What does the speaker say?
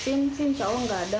sih insya allah nggak ada